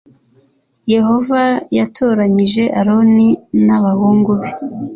Yehova yatoranyije Aroni n abahungu be